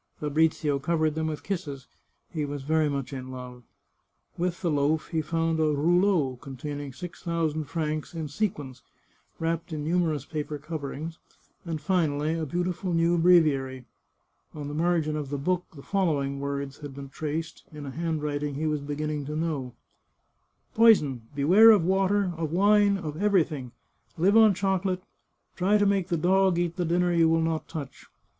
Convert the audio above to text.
Fabrizio covered them with kisses ; he was very much in love. With the loaf he found a " rouleau," con taining six thousand francs in sequins, wrapped in numer ous paper coverings, and finally a beautiful new breviary. On the margin of the book the following words had been traced, in a handwriting he was beginning to know :" Poison! Beware of water, of wine, of everything ! Live on chocolate ; try to make the dog eat the dinner you will not touch.